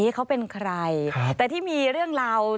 เขาเป็นใครแต่ที่มีเรื่องราว